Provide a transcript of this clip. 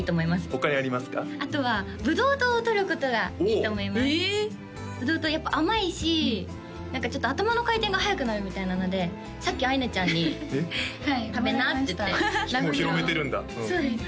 おおブドウ糖やっぱ甘いし何かちょっと頭の回転がはやくなるみたいなのでさっきあいなちゃんに「食べな」って言ってもう広めてるんだそうです